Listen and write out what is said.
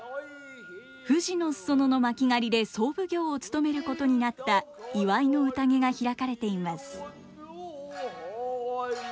富士の裾野の巻狩で総奉行を務めることになった祝いの宴が開かれています。